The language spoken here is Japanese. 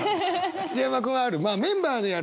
桐山君はある？